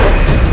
ya makasih ya